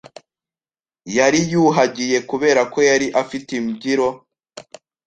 Yariyuhagiye kubera ko yari afite imbyiro.